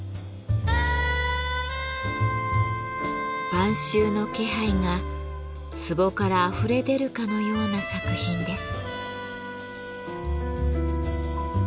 晩秋の気配が壺からあふれ出るかのような作品です。